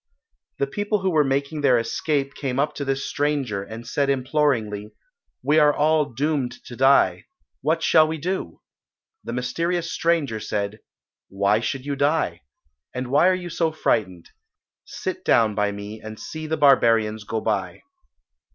The people who were making their escape came up to this stranger, and said imploringly, "We are all doomed to die. What shall we do?" The mysterious stranger said, "Why should you die? and why are you so frightened? Sit down by me and see the barbarians go by."